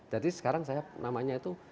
jadi sekarang saya namanya itu